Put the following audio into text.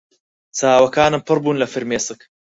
چاوەکانم پڕ بوون لە فرمێسک.